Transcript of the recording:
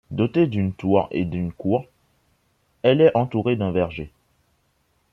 Dotée d'une tour et d'une cour, elle est entourée d'un verger.